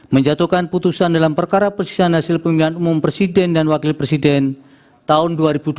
menjatuhkan putusan dalam perkara persis hasil pemilihan umum presiden dan wakil presiden tahun dua ribu dua puluh